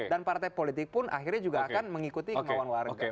dan partai politik pun akhirnya juga akan mengikuti kemauan warga